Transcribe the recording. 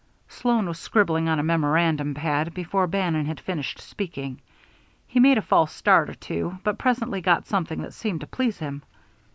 Sloan was scribbling on a memorandum pad before Bannon had finished speaking. He made a false start or two, but presently got something that seemed to please him.